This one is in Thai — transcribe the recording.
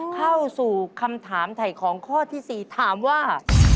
เข้าสู่คำถามถ่ายของข้อที่๔ถามว่า